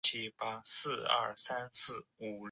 瑞维涅。